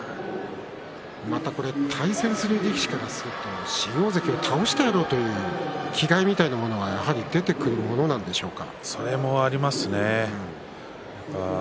対戦する力士からしますと新大関を倒してやろうという気概というものも出てくるものでしょうか。